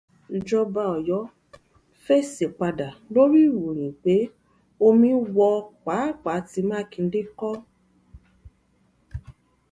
Ìjọba Ọ̀yọ́ fèsì padà lórí ìròyìn pé omi wọ pápá tí Mákindé kọ́